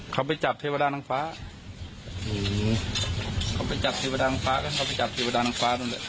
เขาไปจับเทวดานางฟ้าเขาไปจับเทวดานางฟ้าแล้วเขาไปจับเทวดานางฟ้านั่นแหละ